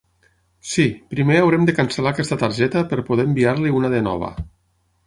Sí, primer haurem de cancel·lar aquesta targeta per poder enviar-li una de nova.